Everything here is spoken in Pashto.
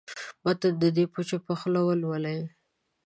متن دې په چوپه خوله ولولي.